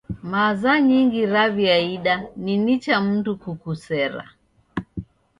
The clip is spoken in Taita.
Maza nyingi raw'iaida ni nicha mndu kukusera.